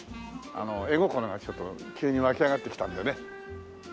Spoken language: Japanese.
絵心がちょっと急に湧き上がってきたんでね。